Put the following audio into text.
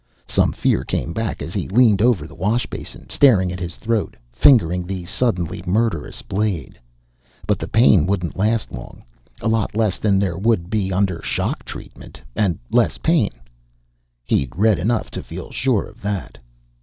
Some fear came back as he leaned over the wash basin, staring at his throat, fingering the suddenly murderous blade. But the pain wouldn't last long a lot less than there would be under shock treatment, and less pain. He'd read enough to feel sure of that.